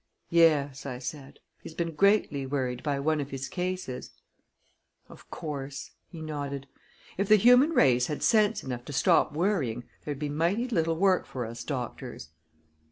"Yes," I said. "He has been greatly worried by one of his cases." "Of course," he nodded. "If the human race had sense enough to stop worrying, there'd be mighty little work for us doctors."